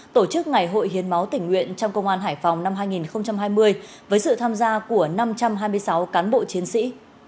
tổ chức ngày hội hiến máu tỉnh nguyện trong công an hải phòng năm hai nghìn hai mươi với sự tham gia của năm trăm hai mươi sáu cán bộ chiến sĩ